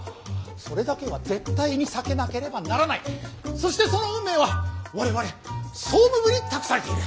そしてその運命は我々総務部に託されている。